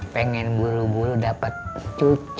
pengen buru buru dapet cucu